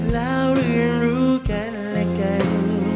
แล้วเรื่องรู้กันและกัน